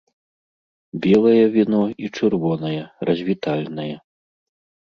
Белае віно і чырвонае, развітальнае.